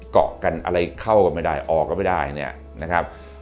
เกาะกันอะไรเข้ากันไม่ได้ออกก็ไม่ได้เนี่ยนะครับ